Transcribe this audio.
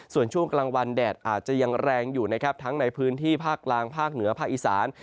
ส่วนช่วงกลางวันแดดอาจจะยังแรงอยู่นะครับทั้งในพื้นที่ภาคกลางภาคเหนือภาคอีสาน